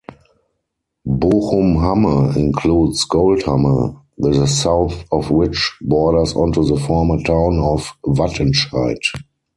Bochum-Hamme includes Goldhamme, the south of which borders onto the former town of Wattenscheid.